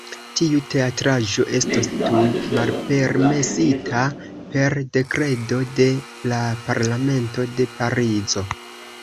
Tiu teatraĵo estos tuj malpermesita per Dekreto de la Parlamento de Parizo.